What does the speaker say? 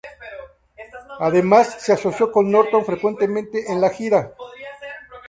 Además, se asoció con Norton frecuentemente en la gira.